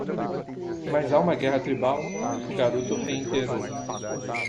"Mas há uma guerra tribal?" o garoto reiterou.